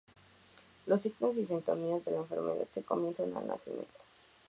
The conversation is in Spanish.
Los signos y síntomas de la enfermedad se comienzan al nacimiento.